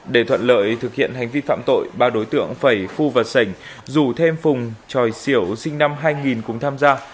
để thuận lợi thực hiện hành vi phạm tội ba đối tượng phẩy phu và sảnh dù thêm phùng tròi sỉu sinh năm hai nghìn cũng tham gia